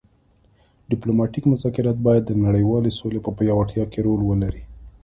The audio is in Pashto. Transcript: ډیپلوماتیک مذاکرات باید د نړیوالې سولې په پیاوړتیا کې رول ولري